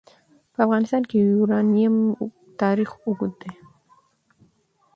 په افغانستان کې د یورانیم تاریخ اوږد دی.